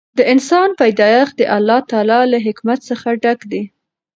د انسان پیدایښت د الله تعالی له حکمت څخه ډک دی.